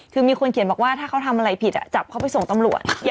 คือมีคนเขียนบอกว่าถ้าเขาทำอะไรผิดจับเขาไปส่งตำรวจ